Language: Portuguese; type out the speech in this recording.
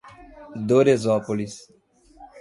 Doresópolis